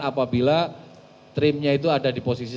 apabila trimnya itu ada di posisi satu